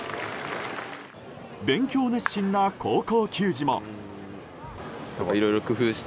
勉強熱心な高校球児も。